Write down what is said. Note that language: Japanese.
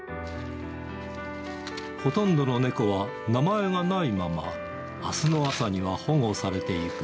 ほとんどの猫は名前がないままあすの朝には保護されていく。